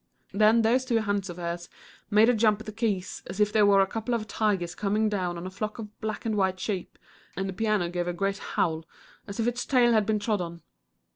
Then those two hands of hers made a jump at the keys as if they were a couple of tigers coming down on a flock of black and white sheep, and the piano gave a great howl as if its tail had been trod on.